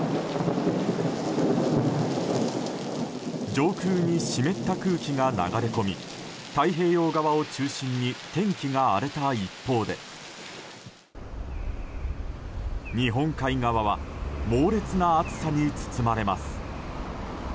上空に湿った空気が流れ込み太平洋側を中心に天気が荒れた一方で日本海側は猛烈な暑さに包まれます。